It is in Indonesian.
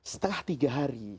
setelah tiga hari